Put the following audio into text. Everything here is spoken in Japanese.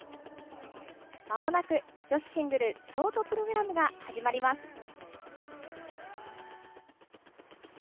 まもなく女子シングルショートプログラムが始まります。